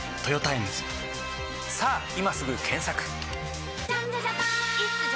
さぁ今すぐ検索！